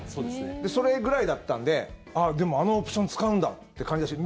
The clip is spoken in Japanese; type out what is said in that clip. それぐらいだったのででも、あのオプションを使うんだって感じがして。